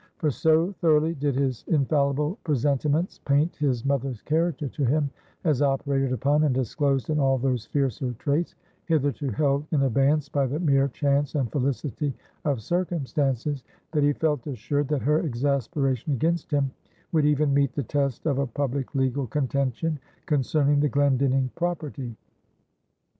For so thoroughly did his infallible presentiments paint his mother's character to him, as operated upon and disclosed in all those fiercer traits, hitherto held in abeyance by the mere chance and felicity of circumstances, that he felt assured that her exasperation against him would even meet the test of a public legal contention concerning the Glendinning property.